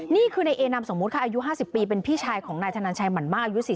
นี่คือในเอนามสมมุติค่ะอายุ๕๐ปีเป็นพี่ชายของนายธนันชัยหมั่นมากอายุ๔๐